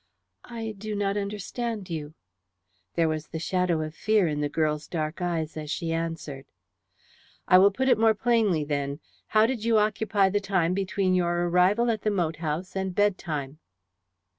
"I do not understand you." There was the shadow of fear in the girl's dark eyes as she answered. "I will put it more plainly then. How did you occupy the time between your arrival at the moat house and bedtime?"